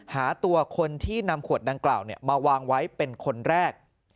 หาตัวคนที่นำขวดดังกล่าวมาวางไว้เป็นคนแรก